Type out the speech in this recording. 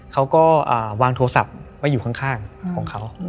เขาก็วางโทรศัพท์ไว้อยู่ข้างของเขา